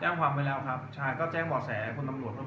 แต่ว่าเมืองนี้ก็ไม่เหมือนกับเมืองอื่น